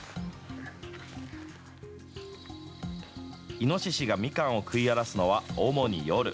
イノシシがミカンを食い荒らすのは、主に夜。